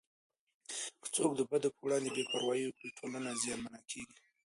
که څوک د بدو په وړاندې بې پروايي وکړي، ټولنه زیانمنه کېږي.